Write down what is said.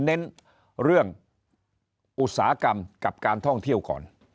เน้นเรื่องอุตสาหกรรมกับการท่องเที่ยวก่อน